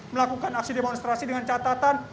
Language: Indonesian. melakukan aksi demonstrasi dengan catatan